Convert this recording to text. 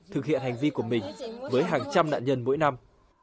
thực hiện hành vi của mình với hàng trăm nạn nhân mỗi năm